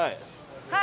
はい。